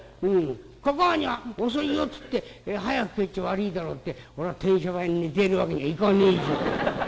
かかあには『遅いよ』っつって早く帰っちゃ悪いだろって俺は停車場で寝てるわけにはいかねえじゃねえか。